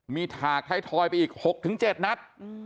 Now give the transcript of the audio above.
มีถากไทยทอยไปอีก๖๗นัด